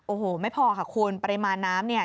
โอ้โหไม่พอค่ะคุณปริมาณน้ำเนี่ย